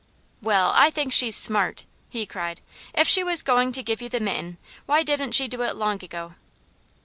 "Well, I think she's smart!" he cried. "If she was going to give you the mitten, why didn't she do it long ago?"